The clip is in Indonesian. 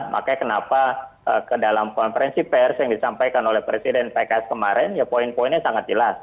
makanya kenapa ke dalam konferensi pers yang disampaikan oleh presiden pks kemarin ya poin poinnya sangat jelas